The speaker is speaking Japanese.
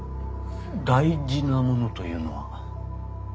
大事なものというのは？